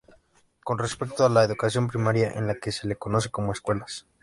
Con respecto a la educación primaria, en la que se le conoce como escuelas.